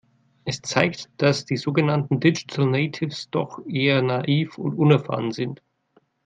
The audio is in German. Es zeigt, dass die sogenannten Digital Natives doch eher naiv und unerfahren sind.